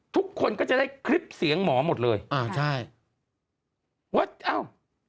ทุกคนก็จะได้คลิปเสียงหมอหมดเลยอ่าใช่ว่าอ้าว